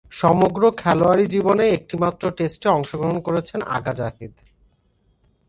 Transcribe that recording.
সমগ্র খেলোয়াড়ী জীবনে একটিমাত্র টেস্টে অংশগ্রহণ করেছেন আগা জাহিদ।